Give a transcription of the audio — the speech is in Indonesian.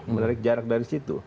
menarik jarak dari situ